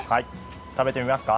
食べてみますか？